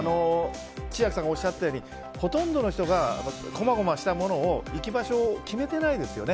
千秋さんがおっしゃるようにほとんどの人がこまごましたものを行き場所を決めてないですよね。